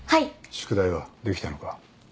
宿題はできたのか？